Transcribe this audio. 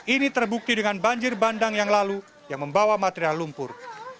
ini terbukti dengan banjir bandang yang lalu yang membawa material lumpur